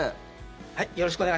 はい。